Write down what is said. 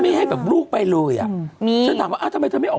เราจะระแวแวงเราจะคิดแมน